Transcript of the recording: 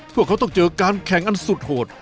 พวกเขาต้องเจอการแข่งอันสุดโหด